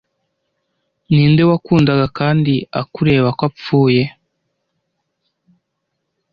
Ninde wakundaga kandi akureba ko apfuye;